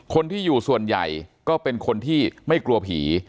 คนที่อยู่ส่วนใหญ่ก็เป็นคนที่ไม่กลัวผี